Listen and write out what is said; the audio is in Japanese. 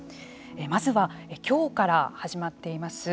まずは、きょうから始まっています